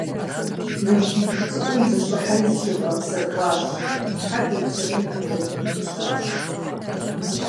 Мэжджыт цӀыкӀум дыщӀыхьэри зыщыдгъэпсэхуащ, Тхьэ делъэӏури ди гъуэгум пытщащ.